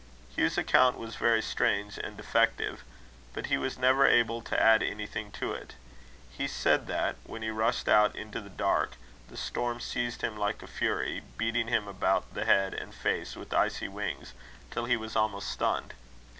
Hugh's account was very strange and defective, but he was never able to add anything to it. He said that, when he rushed out into the dark, the storm seized him like a fury, beating him about the head and face with icy wings, till he was almost stunned.